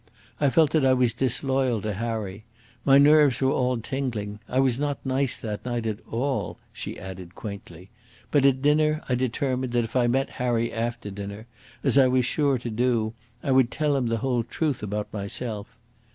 I felt that I was disloyal to Harry. My nerves were all tingling. I was not nice that night at all," she added quaintly. "But at dinner I determined that if I met Harry after dinner, as I was sure to do, I would tell him the whole truth about myself.